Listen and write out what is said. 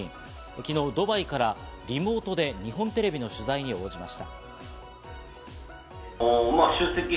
昨日、ドバイからリモートで日本テレビの取材に応じました。